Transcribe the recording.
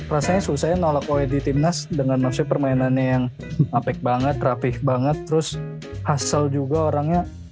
rasanya susah ya nolak koe di timnas dengan maksudnya permainannya yang apek banget rapih banget terus hassel juga orangnya